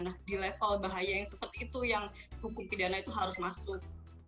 nah di level bahaya yang seperti itu yang hukum pidana itu harus masuk